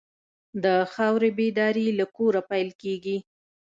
د خاورې بیداري له کوره پیل کېږي.